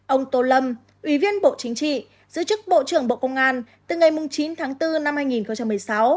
ông tô lâm ủy viên bộ chính trị giữ chức bộ trưởng bộ công an từ ngày chín tháng bốn năm hai nghìn một mươi sáu